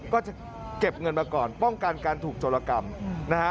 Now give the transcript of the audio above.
ก็จะเก็บเงินมาก่อนป้องกันการถูกโจรกรรมนะฮะ